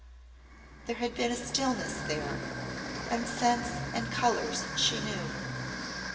There had been a stillness there and scents and colours she knew.